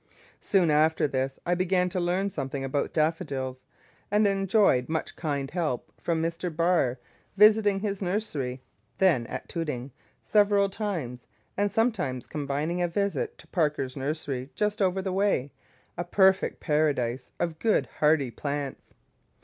Soon after this I began to learn something about Daffodils, and enjoyed much kind help from Mr. Barr, visiting his nursery (then at Tooting) several times, and sometimes combining a visit to Parker's nursery just over the way, a perfect paradise of good hardy plants.